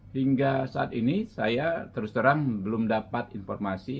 hingga saat ini saya terus terang belum dapat informasi